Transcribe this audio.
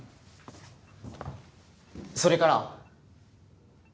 それから。